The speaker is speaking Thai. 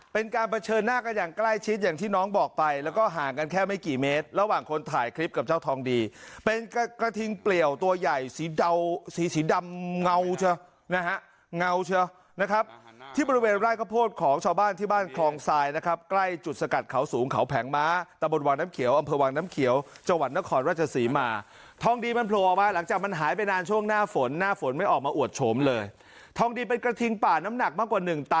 เป็นการเผชิญหน้ากันอย่างใกล้ชิดอย่างที่น้องบอกไปแล้วก็ห่างกันแค่ไม่กี่เมตรระหว่างคนถ่ายคลิปกับเจ้าทองดีเป็นกระทิงเปลี่ยวตัวใหญ่สีดาวสีสีดำเงาเชอะนะฮะเงาเชอะนะครับที่บริเวณไร้ข้อโพธิของชาวบ้านที่บ้านคลองทรายนะครับใกล้จุดสกัดเขาสูงเขาแผงม้าแต่บนวังน้ำเขียวอำเภอวังน้ำ